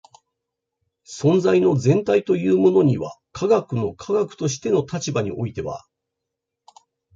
存在の全体というものには科学の科学としての立場においては